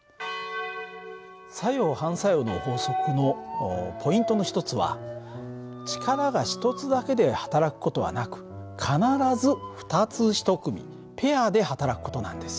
作用・反作用の法則のポイントの一つは力が１つだけではたらく事はなく必ず２つ１組ペアではたらく事なんです。